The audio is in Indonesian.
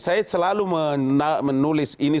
saya selalu menulis ini